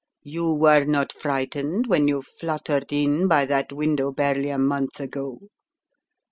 You were not frightened when you fluttered in by that window barely a month ago.